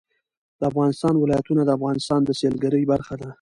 د افغانستان ولايتونه د افغانستان د سیلګرۍ برخه ده.